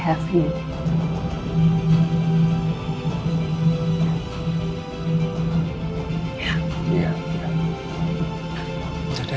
jadi habis ini makan al